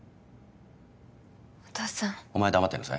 お父さんお前は黙ってなさい